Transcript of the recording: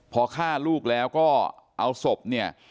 พอฆ่าลูกแล้วก็เอาศพเนี่ย